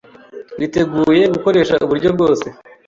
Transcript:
Twiteguye gukoresha uburyo bwose